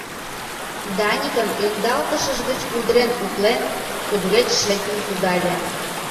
Даникын ӧндалтышыж гыч удырен утлен, кудывечыш лектын кудале.